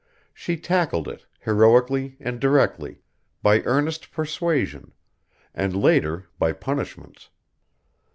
She tackled it, heroically and directly, by earnest persuasion, and later, by punishments.